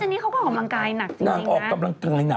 แต่พี่เจนนี่เขาก็ออกกำลังกายหนักจริงนะ